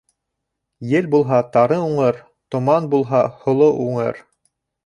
Ел булһа, тары уңыр, томан булһа, һоло уңыр.